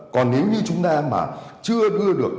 còn nếu như chúng ta mà chưa đưa được